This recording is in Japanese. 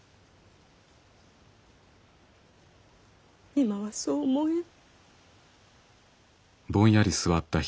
今はそう思えん。